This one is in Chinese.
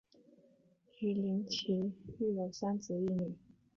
与林堉琪育有三子一女。